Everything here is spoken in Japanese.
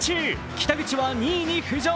北口は２位に浮上。